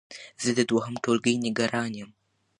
زه د دوهم ټولګی نګران يم